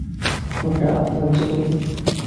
ওটা আপনার জমি?